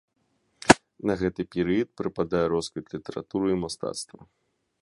На гэты перыяд прыпадае росквіт літаратуры і мастацтва.